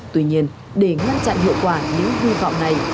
tuy nhiên để ngăn chặn hiệu quả những vi phạm này